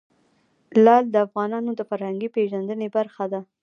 لعل د افغانانو د فرهنګي پیژندنې برخه ده.